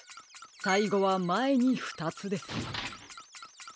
さいごはまえにふたつです。